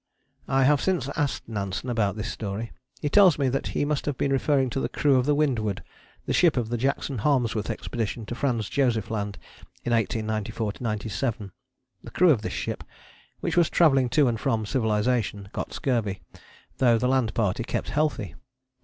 I have since asked Nansen about this story. He tells me that he must have been referring to the crew of the Windward, the ship of the Jackson Harmsworth Expedition to Franz Josef Land in 1894 97. The crew of this ship, which was travelling to and from civilization, got scurvy, though the land party kept healthy.